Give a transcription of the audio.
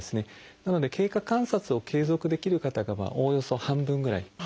なので経過観察を継続できる方がおおよそ半分ぐらい。